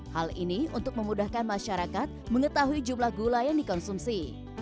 hal ini untuk memudahkan masyarakat mengetahui jumlah gula yang dikonsumsi